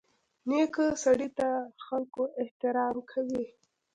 نیکه سړي ته خلکو احترام کوي.